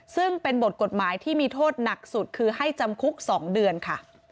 ซึ่งเป็นบทกฎหมายที่มีโทษหนักสุดคือให้จำคุก๒เดือนค่ะ